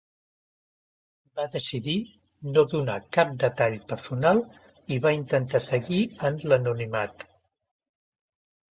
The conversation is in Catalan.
Va decidir no donar cap detall personal i va intentar seguir en l'anonimat.